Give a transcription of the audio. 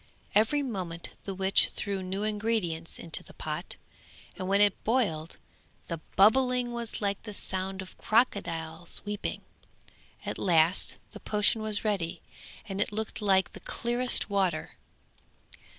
Every moment the witch threw new ingredients into the pot, and when it boiled the bubbling was like the sound of crocodiles weeping. At last the potion was ready and it looked like the clearest water.